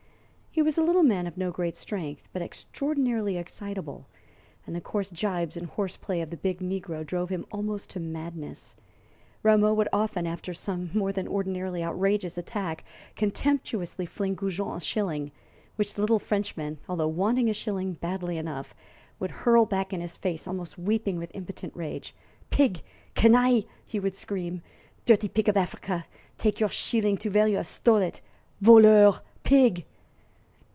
He was a little man of no great strength, but extraordinarily excitable, and the coarse gibes and horse play of the big negro drove him almost to madness. Rameau would often, after some more than ordinarily outrageous attack, contemptuously fling Goujon a shilling, which the little Frenchman, although wanting a shilling badly enough, would hurl back in his face, almost weeping with impotent rage. "Pig! Canaille!" he would scream. "Dirty pig of Africa! Take your sheelin' to vere you 'ave stole it! Voleur! Pig!"